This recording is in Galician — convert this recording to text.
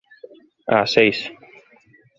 Ás seis.